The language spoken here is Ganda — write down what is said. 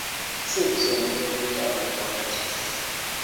Si mpisa omuntu okuyita abantu wakati.